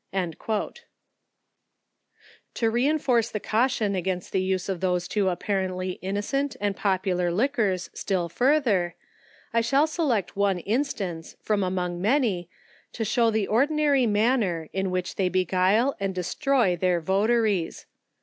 "* To enforce the caution against the use of those too apparently innocent and popular liquors still further, I shall select one instance, from among many, to shew the ordinary manner in which they beguile and des troy their votaries.